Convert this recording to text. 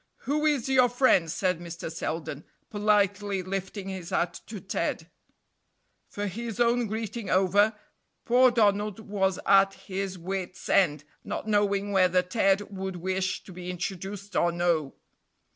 "Who is your friend?" said Mr. Selden, politely lifting his hat to Ted; for his own greeting over, poor Donald was at his wit's end, not knowing whether Ted would wish to be introduced or no.